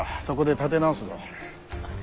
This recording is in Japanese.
そこで立て直すぞ。